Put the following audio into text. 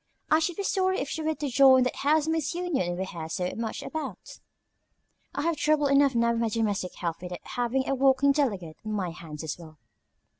I should be sorry if she were to join that housemaid's union we hear so much about. I have trouble enough now with my domestic help without having a walking delegate on my hands as well."